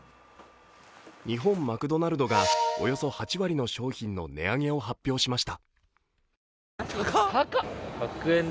日本マクドナルドがおよそ８割の商品の値上げを発表しました。